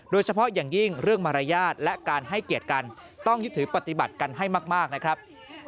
โดยเฉพาะอย่างยิ่งเรื่องมารยาทและการให้เกียรติกันต้องยึดถือปฏิบัติกันให้มากนะครับ